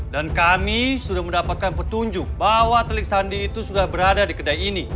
kami sudah mendapatkan petunjuk bahwa telik sandi itu sudah berada di kedai ini